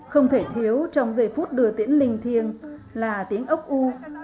không thể thiếu trong giây phút đưa tiễn linh thiêng là tiếng ốc u